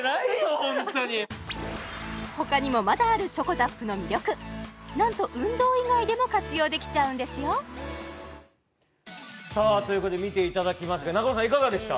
ホントに他にもまだあるｃｈｏｃｏＺＡＰの魅力なんと運動以外でも活用できちゃうんですよさあということで見ていただきましたが中尾さんいかがでした？